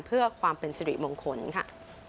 เพื่อความเป็นสิริมงคลค่ะ